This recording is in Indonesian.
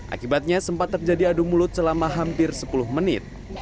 akibatnya sempat terjadi adu mulut selama hampir sepuluh menit